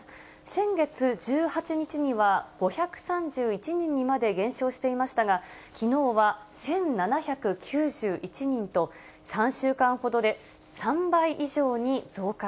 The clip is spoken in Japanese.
先月１８日には５３１人にまで減少していましたが、きのうは１７９１人と、３週間ほどで３倍以上に増加。